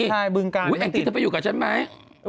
ใช่บึงการยังไม่ติดอุ๊ยแกคิดจะไปอยู่กับฉันไหม